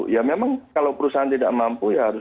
ya memang kalau perusahaan tidak mampu ya harus